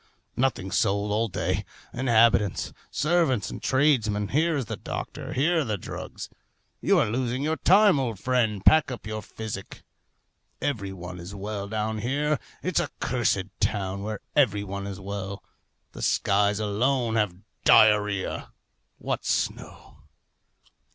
Nothing sold all day. Inhabitants, servants, and tradesmen, here is the doctor, here are the drugs. You are losing your time, old friend. Pack up your physic. Every one is well down here. It's a cursed town, where every one is well! The skies alone have diarrhoea what snow!